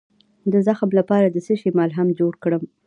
د زخم لپاره د څه شي ملهم جوړ کړم؟